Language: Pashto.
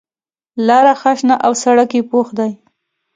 لاره ښه شنه او سړک یې پوخ دی.